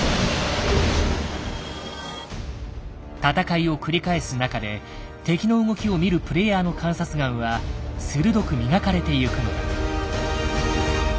戦いを繰り返す中で敵の動きを見るプレイヤーの観察眼は鋭く磨かれてゆくのだ。